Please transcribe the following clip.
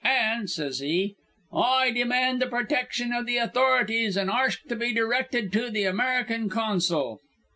An',' s'ys he, 'I demand the protection o' the authorities an' arsk to be directed to the American consul.'